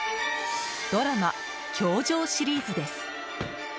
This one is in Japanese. ドラマ「教場」シリーズです。